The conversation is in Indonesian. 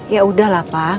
ya udahlah pak